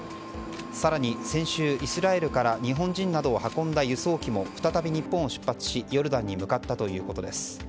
更に、先週イスラエルから日本人などを運んだ輸送機なども再び日本を出発しヨルダンに向かったということです。